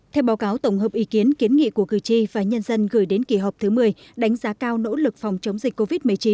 theo báo cáo tổng hợp ý kiến kiến nghị của cử tri và nhân dân gửi đến kỳ họp thứ một mươi đánh giá cao nỗ lực phòng chống dịch covid một mươi chín